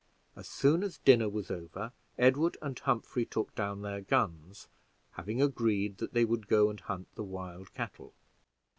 As soon as dinner was over, Edward and Humphrey took down their guns, having agreed that they would go and hunt the wild cattle.